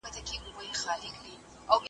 زر په اور کي هم نه خرابېږي